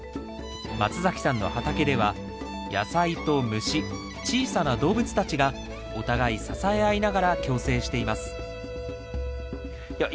松崎さんの畑では野菜と虫小さな動物たちがお互い支え合いながら共生していますいや